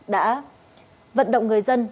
đã vận động người dân